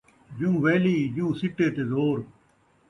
جیوں وَیلی ، جیوں سٹے تے زور